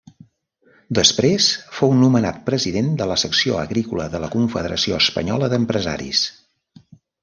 Després fou nomenat president de la Secció Agrícola de la Confederació Espanyola d'Empresaris.